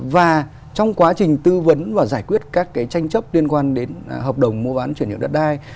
và trong quá trình tư vấn và giải quyết các tranh chấp liên quan đến hợp đồng mua ván chuyển nhượng đất đai